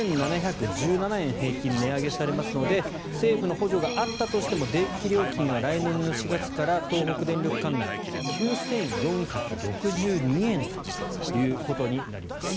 ２７１７円、平均で値上げされますので政府の補助があったとしても電気料金は来年の４月から東北電力管内９４６２円ということになります。